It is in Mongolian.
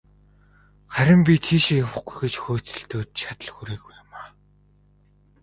Харин би тийшээ явахгүй гэж хөөцөлдөөд, чадал хүрээгүй юм.